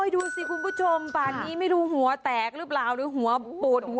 ดูสิครุ้มผู้ชมปันนี้ไม่รู้หัวแตกหรือเปิดหรือบุด